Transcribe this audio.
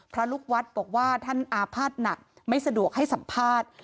พระลูกวัดบอกว่าท่านอาภาษณ์หนักไม่สะดวกให้สัมภาษณ์